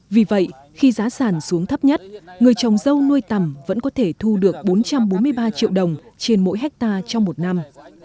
vì vậy khi giá sản xuống thấp nhất người trồng dâu nuôi tầm vẫn có thể thu được bốn trăm bốn mươi ba triệu đồng trên mỗi hectare trong một năm